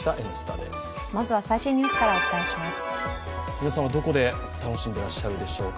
皆さんはどこで楽しんでいらっしゃるでしょうか。